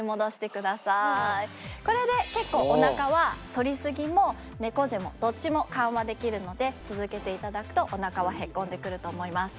これで結構お腹は反りすぎも猫背もどっちも緩和できるので続けて頂くとお腹はへこんでくると思います。